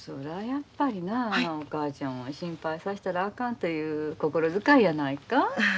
やっぱりなお母ちゃんを心配さしたらあかんていう心遣いやないか？